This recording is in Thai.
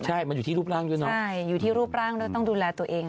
ใช่มันอยู่ที่รูปร่างด้วยเนาะใช่อยู่ที่รูปร่างด้วยต้องดูแลตัวเอง